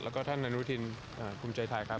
แล้วก็ท่านอนุทินภูมิใจไทยครับ